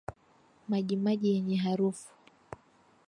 Majimaji yenye harufu